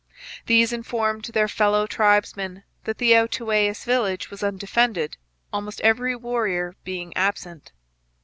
These informed their fellow tribesmen that the Outaouais village was undefended, almost every warrior being absent.